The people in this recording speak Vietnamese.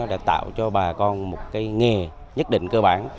đã tạo cho bà con một nghề nhất định cơ bản